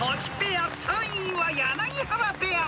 ［３位は柳原ペア］